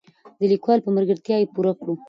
د لیکوال په ملګرتیا یې پوره کړو.